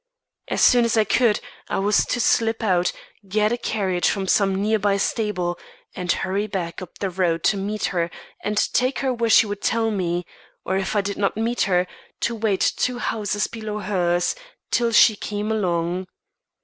As soon as I could, I was to slip out, get a carriage from some near by stable, and hurry back up the road to meet her and take her where she would tell me; or, if I did not meet her, to wait two houses below hers, till she came along.